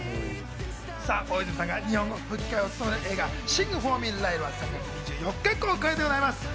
大泉さんが日本語吹き替えを務める映画『シング・フォー・ミー、ライル』は３月２４日公開です。